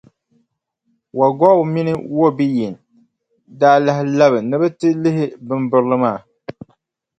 Wagow mini Wobeyin daa lahi labi ni bɛ ti lihi bimbirili maa.